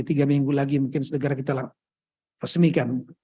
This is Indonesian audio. tiga minggu lagi mungkin segera kita resmikan